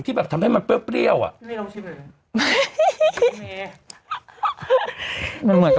ที่แบบทำให้มันเปรี้ยวเปรี้ยวอ่ะไม่ต้องชิมหรือยัง